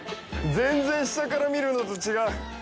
全然下から見るのと違う。